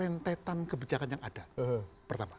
yang namanya rentetan kebijakan yang ada pertama